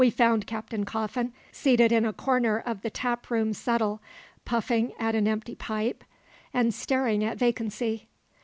We found Captain Coffin seated in a corner of the taproom settle, puffing at an empty pipe and staring at vacancy.